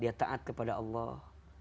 dia taat kepada allah